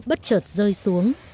bất chợt rơi xuống